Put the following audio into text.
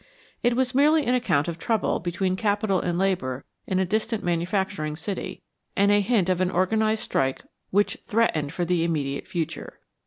It was merely an account of trouble between capital and labor in a distant manufacturing city, and a hint of an organized strike which threatened for the immediate future.